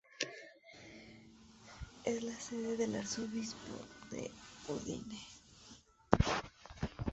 Es la sede del Arzobispo de Udine.